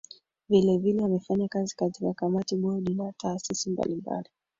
Vile vile amefanya kazi katika Kamati Bodi na Taasisi mbalimbali